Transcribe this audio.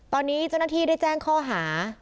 ตอนนี้เจ้าหน้าที่ได้แจ้งข้อหา